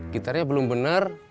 gitarnya belum bener